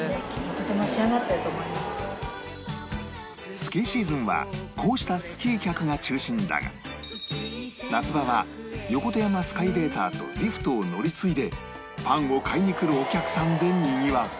スキーシーズンはこうしたスキー客が中心だが夏場は横手山スカイレーターとリフトを乗り継いでパンを買いに来るお客さんでにぎわう